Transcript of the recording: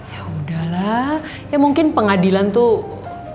yaudahlah ya mungkin pengadilan tuh